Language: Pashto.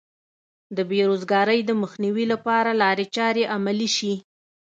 د بې روزګارۍ د مخنیوي لپاره لارې چارې عملي شي.